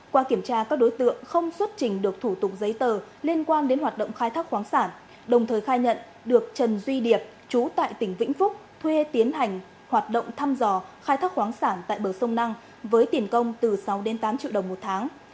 qua kiểm tra các đối tượng không xuất trình được thủ tục giấy tờ liên quan đến hoạt động khai thác khoáng sản đồng thời khai nhận được trần duy điệp chú tại tỉnh vĩnh phúc thuê tiến hành hoạt động thăm dò khai thác khoáng sản tại bờ sông năng với tiền công từ sáu đến tám triệu đồng một tháng